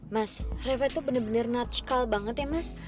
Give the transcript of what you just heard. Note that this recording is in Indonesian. mas reva tuh bener bener nutscall banget ya mas